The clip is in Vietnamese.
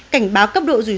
cảnh báo cấp độ rủi rủi